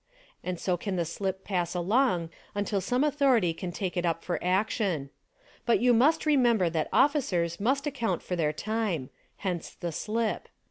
And so can the slip pass along until some authority can take it up for action. But you must remember that officers must account for SPY PROOF AMERICA 35 their time ; hence the sHp.